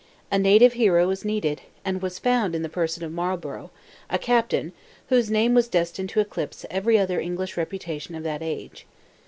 A native hero was needed, and was found in the person of Marlborough, a captain, whose name was destined to eclipse every other English reputation of that age.